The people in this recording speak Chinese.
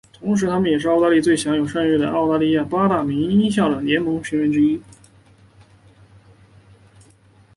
同时也是澳大利亚最享有盛誉的澳大利亚八大名校的联盟成员之一。